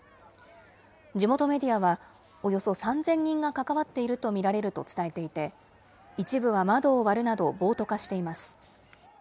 地元メディアは、およそ３０００人が関わっていると見られると伝えていて、一部は窓を割るなど暴徒化しています。